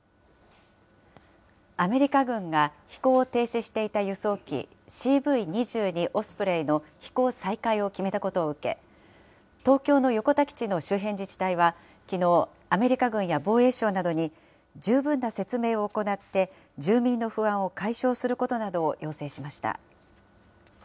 アメリカ軍が飛行を停止していた輸送機、ＣＶ２２オスプレイの飛行再開を決めたことを受け、東京の横田基地の周辺自治体は、きのう、アメリカ軍や防衛省などに、十分な説明を行って、住民の不安を解消することなどを要請しました。